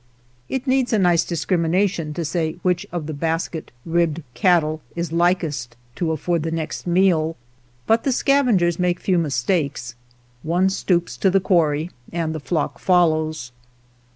It needs a nice discrimination to say which of the basket ribbed cattle is likest to afford the next meal, but the scavengers make few mis takes. One stoops to the quarry and the flock follows.